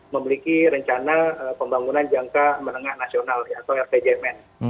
memiliki rencana pembangunan jangka menengah nasional atau rpjmn